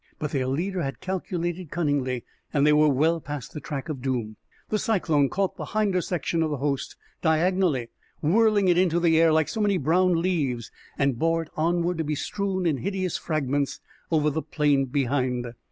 But their leader had calculated cunningly, and they were well past the track of doom. The cyclone caught the hinder section of the host diagonally, whirled it into the air like so many brown leaves, and bore it onward to be strewn in hideous fragments over the plain behind.